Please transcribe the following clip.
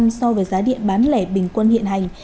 mức tăng ba so với giá điện bán lẻ bình quân hiện hành